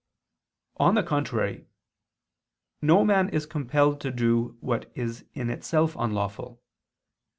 On the contrary, No man is compelled to do what is in itself unlawful.